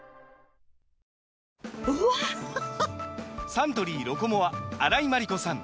サントリー「ロコモア」荒井眞理子さん